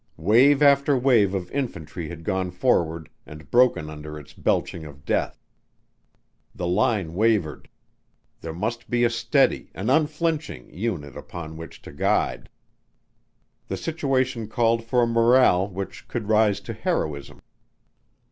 Wave after wave of infantry had gone forward and broken under its belching of death. The line wavered. There must be a steady an unflinching unit upon which to guide. The situation called for a morale which could rise to heroism.